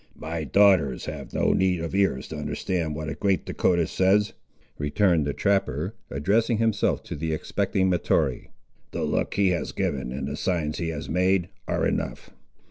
"My daughters have no need of ears to understand what a great Dahcotah says," returned the trapper, addressing himself to the expecting Mahtoree. "The look he has given, and the signs he has made, are enough.